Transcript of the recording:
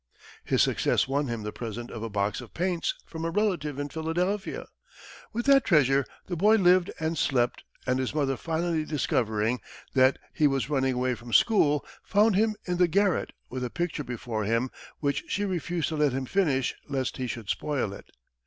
His success won him the present of a box of paints from a relative in Philadelphia. With that treasure the boy lived and slept, and his mother, finally discovering that he was running away from school, found him in the garret with a picture before him which she refused to let him finish lest he should spoil it.